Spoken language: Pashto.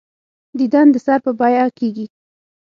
دیدن د سر په بیعه کېږي.